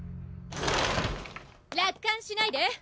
楽観しないで！